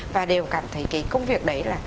và đều cảm thấy cái công việc đấy là